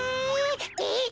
えっ？